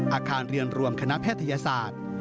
อาคารเรียนรวมคณะแพทยศาสตร์